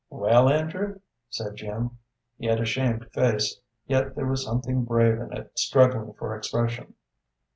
"Well, Andrew?" said Jim. He had a shamed face, yet there was something brave in it struggling for expression.